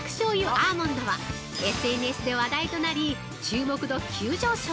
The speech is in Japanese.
アーモンドはＳＮＳで話題となり注目度急上昇。